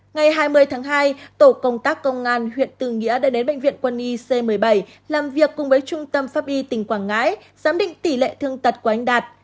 ngày hai mươi tháng hai tổ công tác công an huyện tư nghĩa đã đến bệnh viện quân y c một mươi bảy làm việc cùng với trung tâm pháp y tỉnh quảng ngãi giám định tỷ lệ thương tật của anh đạt